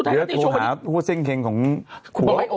ถ้าเขารับซื้อมาตอนเนี้ย